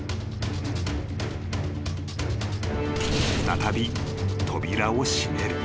［再び扉を閉める］